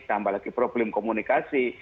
tambah lagi problem komunikasi